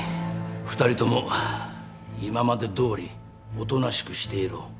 ２人とも今までどおりおとなしくしていろ。